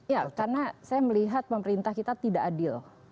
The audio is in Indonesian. ya karena saya melihat pemerintah kita tidak adil